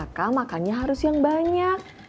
ade sama kakak makannya harus yang banyak